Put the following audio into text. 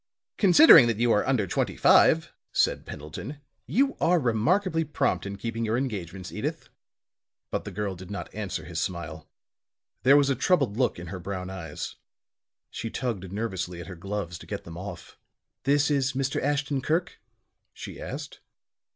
"Considering that you are under twenty five," said Pendleton, "you are remarkably prompt in keeping your engagements, Edyth." But the girl did not answer his smile. There was a troubled look in her brown eyes; she tugged nervously at her gloves to get them off. "This is Mr. Ashton Kirk?" she asked.